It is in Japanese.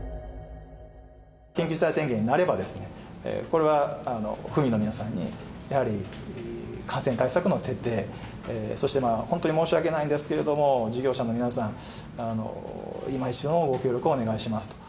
緊急事態宣言になれば、これは府民の皆さんにやはり感染対策の徹底、そして本当に申し訳ないんですけれども、事業者の皆さん、今一度のご協力をお願いしますと。